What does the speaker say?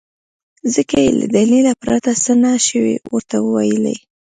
ځکه يې له دليله پرته څه نه شوای ورته ويلی.